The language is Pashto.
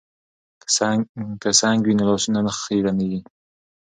که سنک وي نو لاسونه نه خیرنیږي.